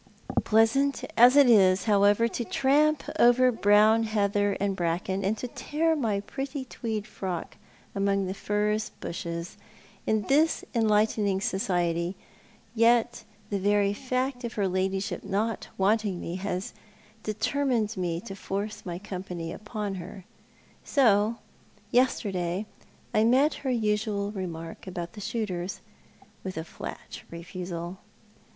Pleasant as it is, however, to tramp over brown heather and bracken, and tear my pretty tweed frock among the furze bushes, in this enlightening society, yet the very fact of her ladyship not wanting me has determined mc to force my com pany upon her, so yesterday I met her usual remark about the shooters with a flat refusal.